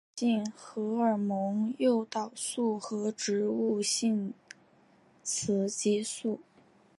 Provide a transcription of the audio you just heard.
富含女性荷尔蒙诱导素和植物性雌激素。